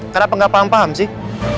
kenapa nggak paham paham sih